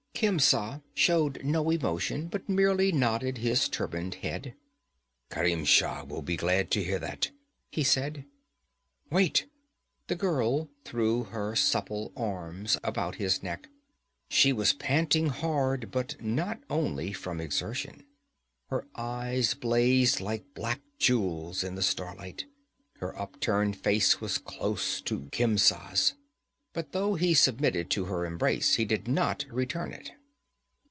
Khemsa showed no emotion, but merely nodded his turbaned head. 'Kerim Shah will be glad to hear that,' he said. 'Wait!' The girl threw her supple arms about his neck. She was panting hard, but not only from exertion. Her eyes blazed like black jewels in the starlight. Her upturned face was close to Khemsa's, but though he submitted to her embrace, he did not return it.